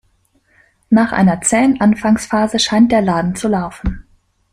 Nach einer zähen Anfangsphase scheint der Laden zu laufen.